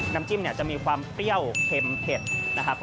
น้ำจิ้มเนี่ยจะมีความเปรี้ยวเค็มเผ็ดนะครับ